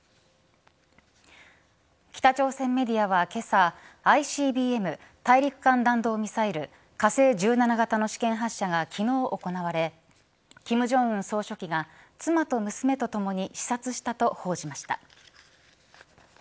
北朝鮮メディアは今朝ＩＣＢＭ＝大陸間弾道ミサイル火星１７型の試験発射が昨日行われ金正恩総書記が妻と娘とともに視察したと報じました。